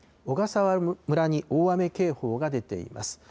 小笠原村に大雨警報が出ています。